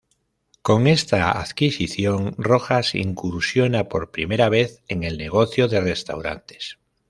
Con esta adquisición, Rojas incursiona por primera vez en el negocio de restaurantes.